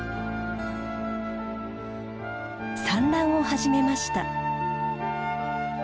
産卵を始めました。